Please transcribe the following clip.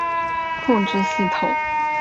其他版本控制系统